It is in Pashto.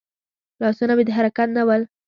لاسونه مې د حرکت نه ول.